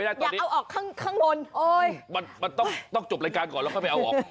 อยากเอาออกข้างบนโอ้ยมันต้องจบรายการก่อนแล้วค่อยไปเอาออก